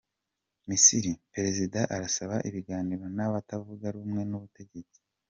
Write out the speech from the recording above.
Misiri: Perezida arasaba ibiganiro n’abatavuga rumwe n’ubutegetsi